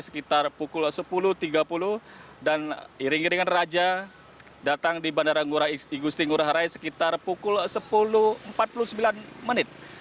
sekitar pukul sepuluh tiga puluh dan iring iringan raja datang di bandara igusti ngurah rai sekitar pukul sepuluh empat puluh sembilan menit